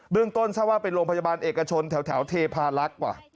เรื่องต้นทราบว่าเป็นโรงพยาบาลเอกชนแถวเทพาลักษณ์กว่า